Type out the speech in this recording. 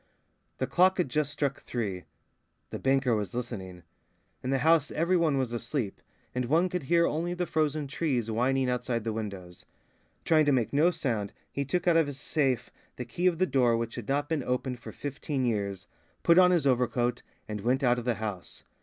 The clock had just struck three. The banker was listening. In the house every one was asleep, and one could hear only the frozen trees whining outside the windows. Trying to make no sound, he took out of his safe the key of the door which had not been opened for fifteen years, put on his overcoat, and went out of the house.